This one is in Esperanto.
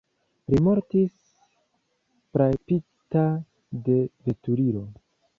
Li mortis frapita de veturilo.